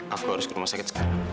afga harus ke rumah sakit